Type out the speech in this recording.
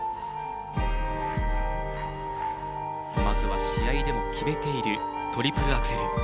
まずは試合でも決めているトリプルアクセル。